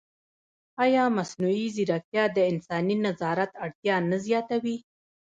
ایا مصنوعي ځیرکتیا د انساني نظارت اړتیا نه زیاتوي؟